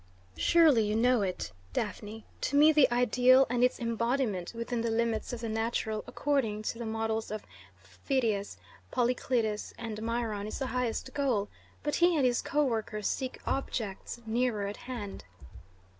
"Surely you know it, Daphne. To me the ideal and its embodiment within the limits of the natural, according to the models of Phidias, Polycletus, and Myron is the highest goal, but he and his co workers seek objects nearer at hand."